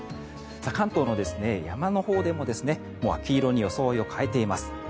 関東の山のほうでも秋色に装いを変えています。